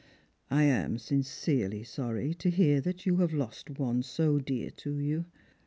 " I am sincerely sorry to hear you have lost one so dear to you.